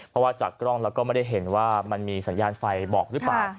เพราะว่าจากกล้องเราก็ไม่ได้เห็นว่ามันมีสัญญาณไฟบอกหรือเปล่า